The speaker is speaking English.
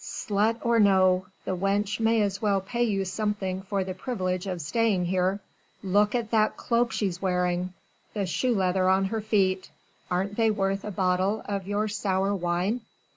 "Slut or no, the wench may as well pay you something for the privilege of staying here. Look at that cloak she's wearing the shoe leather on her feet. Aren't they worth a bottle of your sour wine?"